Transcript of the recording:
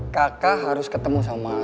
kakak harus ketemu sama